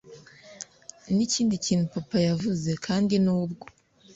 nikindi kintu papa yavuze, kandi nubwo